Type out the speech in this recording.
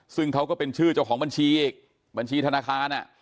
ซึ่งเขาก็เป็นชื่อเจ้าของบัญชีอีกบัญชีธนาคาร